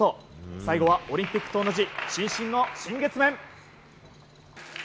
最後はオリンピックと同じ伸身の新月面。